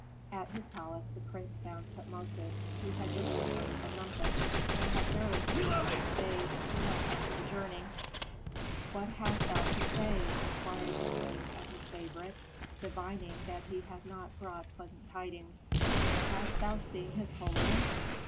At his palace the prince found Tutmosis, who had just returned from Memphis and had barely taken time to bathe and dress after the journey. "What hast thou to say?" inquired the prince of his favorite, divining that he had not brought pleasant tidings. "Hast thou seen his holiness?"